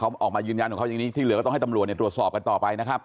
เขาออกมายืนยันของเขาอย่างนี้ที่เหลือก็ต้องให้ตำรวจเนี่ยตรวจสอบกันต่อไปนะครับ